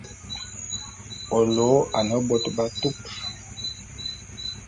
Ô lôô ane bôt b'atupe.